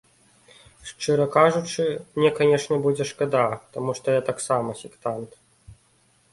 Шчыра кажучы, мне канешне будзе шкада, таму што я таксама сектант.